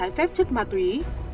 tại phép chất ma túy